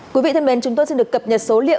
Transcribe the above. quý vị thân mến chúng tôi xin được cập nhật số liệu